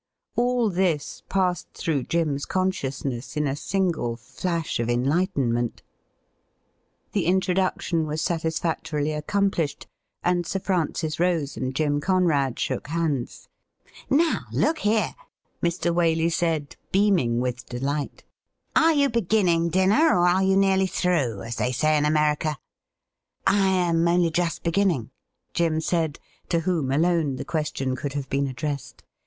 All this passed through Jim's consciousness in a single flash of enlightenment. The introduction was satisfactorily accomplished, and Sir Francis Rose and Jim Conrad shook hands. ' Now, look here,' Mr. Waley said, beaming with delight. 134 THE RIDDLE RING ' are you begmning dinner, or axe you nearly through, as they say in America ?'' I am only just beginning,' Jim said, to whom alone the question could have been addressed.